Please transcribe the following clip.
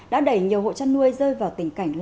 đã đẩy nhiều hộ chăn nuôi rơi vào tỉnh cảnh bắc